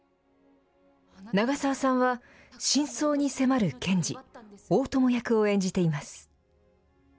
長澤さんは真相に迫る検事大友役を演じています。